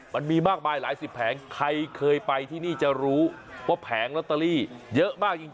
มันมีมากมายหลายสิบแผงใครเคยไปที่นี่จะรู้ว่าแผงลอตเตอรี่เยอะมากจริง